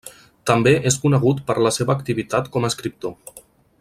També és conegut per la seva activitat com a escriptor.